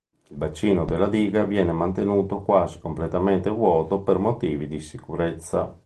Il bacino della diga viene mantenuto quasi completamente vuoto per motivi di sicurezza.